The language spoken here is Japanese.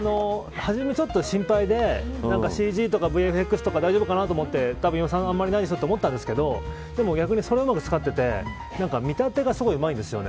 はじめ、ちょっと心配でＣＧとかＶＦＸとか大丈夫かなと思って予算あまりないしと思ったんですけどでも逆にそれをうまく使ってて見立てがすごくうまいんですよね。